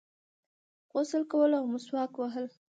غسل کول او مسواک وهل